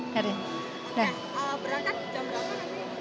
berangkat jam berapa